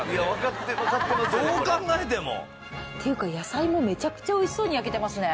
っていうか野菜もめちゃくちゃ美味しそうに焼けてますね！